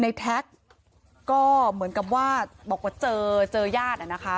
แท็กก็เหมือนกับว่าบอกว่าเจอเจอญาติอ่ะนะคะ